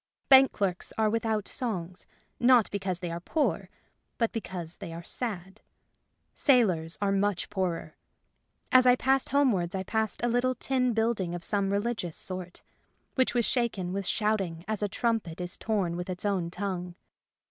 Bank clerks are without songs, not because they are poor, but because they are sad. Sailors are much poorer. As I passed homewards I passed a little tin building of some religious sort, which was shaken with shouting as a trumpet is torn with its own tongue.